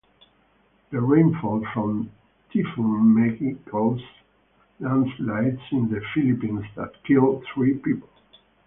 The rainfall from Typhoon Maggie caused landslides in the Philippines that killed three people.